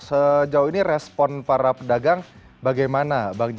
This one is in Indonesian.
sejauh ini respon para pedagang bagaimana